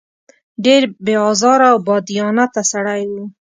ډېر بې آزاره او بادیانته سړی و.